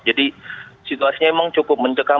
jadi situasinya memang cukup mencekam